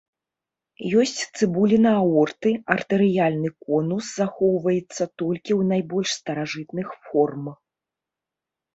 Ёсць цыбуліна аорты, артэрыяльны конус захоўваецца толькі ў найбольш старажытных форм.